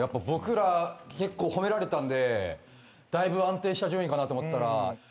僕ら結構褒められたんでだいぶ安定した順位かなと思ったら。